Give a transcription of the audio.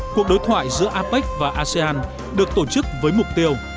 cuộc đối thoại giữa apec và asean được tổ chức với mục tiêu